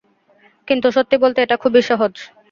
কিন্তু সত্যি বলতে এটা খুবই সহজ।